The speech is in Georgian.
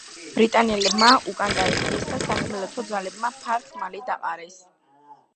ბრიტანელებმა უკან დაიხიეს და სახმელეთო ძალებმა ფარ-ხმალი დაყარეს.